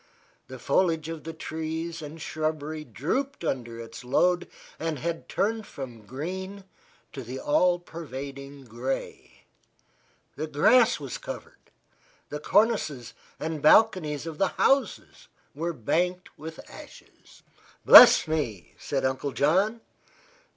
The foliage of the trees and shrubbery drooped under its load and had turned from green to the all pervading gray. The grass was covered; the cornices and balconies of the houses were banked with ashes. "Bless me!" said Uncle John.